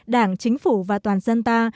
đảng chính phủ và toàn dân ta